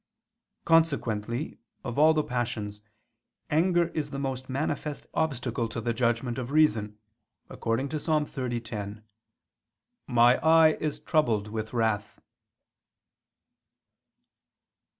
Consequently, of all the passions, anger is the most manifest obstacle to the judgment of reason, according to Ps. 30:10: "My eye is troubled with wrath."